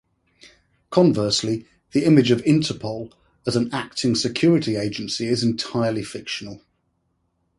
Conversely, the image of Interpol as an acting security agency is entirely fictional.